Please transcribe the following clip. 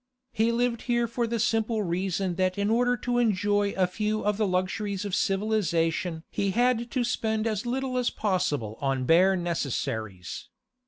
He lived here for the simple reason that in order to enjoy a few of the luxuries of civilisation he had to spend as little as possible on bare necessaries.